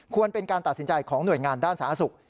เป็นการตัดสินใจของหน่วยงานด้านสาธารณสุข